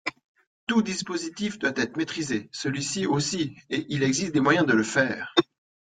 Tout dispositif doit être maîtrisé, celui-ci aussi, et il existe des moyens de le faire.